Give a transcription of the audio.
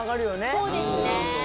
そうですね。